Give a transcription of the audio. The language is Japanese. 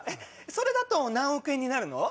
それだと何億円になるの？